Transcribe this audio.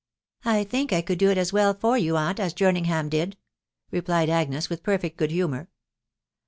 " I think I could do it as well for you, aunt, as Jerningham did," replied Agnes with perfect good humour.